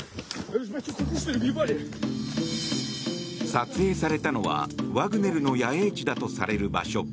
撮影されたのは、ワグネルの野営地だとされる場所。